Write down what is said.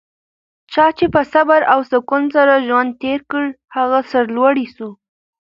چا چي په صبر او سکون سره ژوند تېر کړ؛ هغه سرلوړی سو.